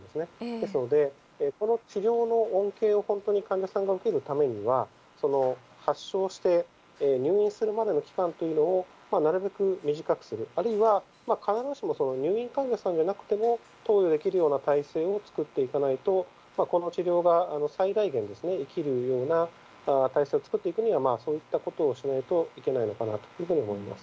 ですので、この治療の恩恵を本当に患者さんが受けるためには、発症して入院するまでの期間というのをなるべく短くする、あるいは、必ずしも入院患者さんじゃなくても投与できるような体制を作っていかないと、この治療が最大限生きるような体制を作っていくには、そういったことをしないといけないのかなというふうに思います。